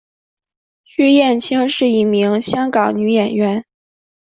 区燕青是一名香港女演员。